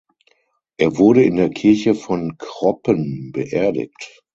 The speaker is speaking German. Er wurde in der Kirche von Kroppen beerdigt.